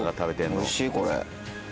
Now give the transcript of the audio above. おいしい、これ。